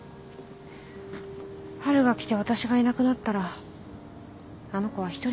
春が来て私がいなくなったらあの子は一人になるからな。